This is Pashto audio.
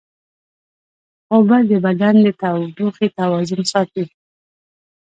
اوبه د بدن د تودوخې توازن ساتي